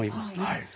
はい。